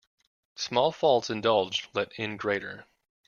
Small faults indulged let in greater.